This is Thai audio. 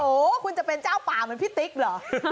โอ้โหคุณจะเป็นเจ้าป่าเหมือนพี่ติ๊กเหรอ